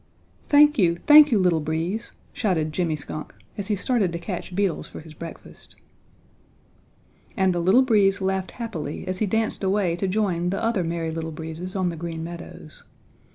"Thank you, thank you, Little Breeze," shouted Jimmy Skunk as he started to catch beetles for his breakfast. And the Little Breeze laughed happily as he danced away to join the other Merry Little Breezes on the Green Meadows.